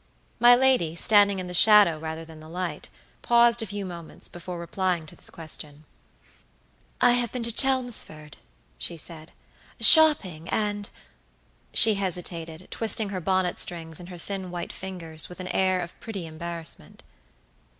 My lady, standing in the shadow rather than the light, paused a few moments before replying to this question. "I have been to Chelmsford," she said, "shopping; and" She hesitatedtwisting her bonnet strings in her thin white fingers with an air of pretty embarrassment.